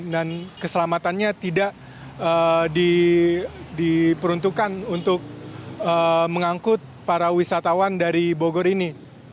dan keselamatannya tidak diperuntukkan untuk mengangkut para wisatawan dari bogor ini